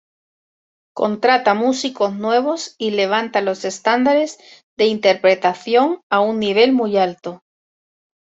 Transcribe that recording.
Contrata músicos nuevos y levanta los estándares de interpretación a un nivel muy alto.